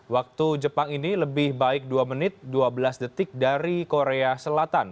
waktu jepang ini lebih baik dua menit dua belas detik dari korea selatan